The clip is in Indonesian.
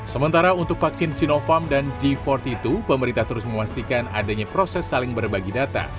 sementara untuk vaksin sinovac dan g empat puluh dua pemerintah terus memastikan adanya proses saling berbagi data